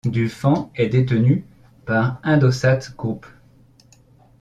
Dufan est détenu par Indosat Group.